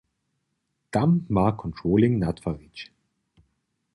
Tam ma controlling natwarić.